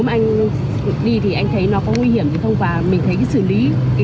nếu mà anh đi thì anh thấy nó có nguy hiểm chứ không phải mình thấy cái xử lý